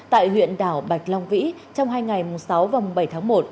tại huyện đảo bạch long vĩ trong hai ngày sáu và bảy tháng một